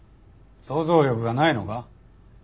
想像力がないのか？